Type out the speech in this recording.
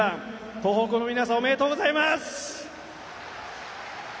東北の皆さんおめでとうございます！